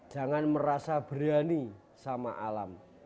jangan merasa berani sama alam